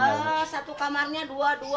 satu kamarnya dua dua dua